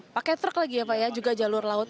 pakai truk lagi ya pak ya juga jalur laut